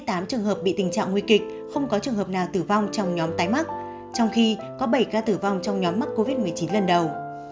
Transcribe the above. trong trường hợp bị tình trạng nguy kịch không có trường hợp nào tử vong trong nhóm tái mắc trong khi có bảy ca tử vong trong nhóm mắc covid một mươi chín lần đầu